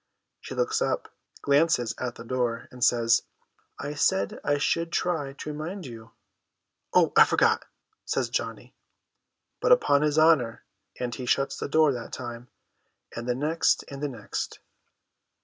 She looks up, glances at the door, and says, ' I said I should try to remind you.' 'Oh, I forgot/ says Johnny, put upon his honour; and he shuts the door that time, and the next, and the next.